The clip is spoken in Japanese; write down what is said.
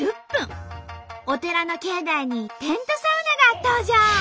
お寺の境内にテントサウナが登場！